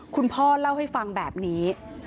คุณพ่อเล่าให้ฟังแบบนี้